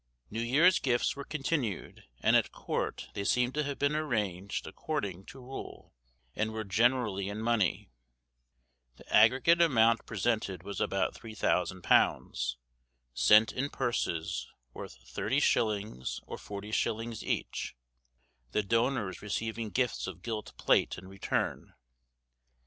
New Year's Gifts were continued; and at court they seem to have been arranged according to rule, and were generally in money. The aggregate amount presented was about £3000, sent in purses, worth 30_s._ or 40_s._ each, the donors receiving gifts of gilt plate in return.